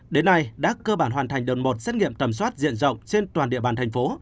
đến nay đã cơ bản hoàn thành đợt một xét nghiệm tầm soát diện rộng trên toàn địa bàn thành phố